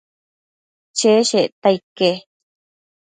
cheshecta ique